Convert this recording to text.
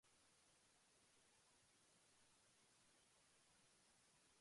It represents the activity of reading and functions as a noun.